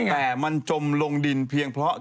แต่มันจมลงดินเพียงเพราะ